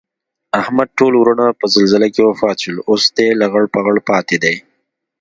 احمد ټول ورڼه په زلزله کې وفات شول. اوس دی لغړ پغړ پاتې دی